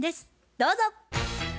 どうぞ。